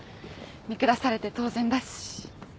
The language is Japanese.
見下されて当然だし。